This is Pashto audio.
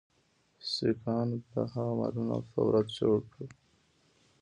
سیکهانو د هغه مالونه او ثروت چور کړ.